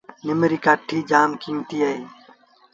نم ريٚ ڪآٺيٚ جآم ڪمآئيٚتيٚ اهي۔